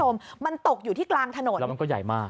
มันตกอยู่ที่กลางถนแล้วมันก็ใหญ่มาก